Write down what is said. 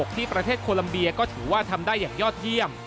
ที่ประเทศโคลัมเบียก็ถือว่าทำได้อย่างยอดเยี่ยม